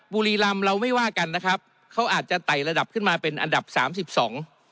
บุรีรำเราไม่ว่ากันนะครับเขาอาจจะไต่ระดับขึ้นมาเป็นอันดับสามสิบสอง